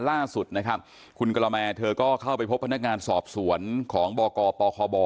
ล่าสุดนะครับคุณกะละแมเธอก็เข้าไปพบพนักงานสอบสวนของบกปคบ